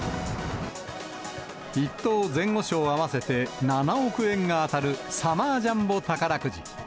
１等前後賞合わせて７億円が当たるサマージャンボ宝くじ。